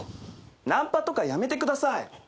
ナンパとかやめてください。